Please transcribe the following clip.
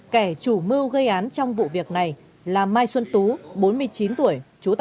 kẻ chủ mưu gây án trong vụ việc này là mai xuân tú bốn mươi chín tuổi